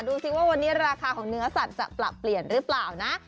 ดูสิว่าวันนี้ราคาของเนื้อสัตว์จะปรับเปลี่ยนหรือเปล่านะ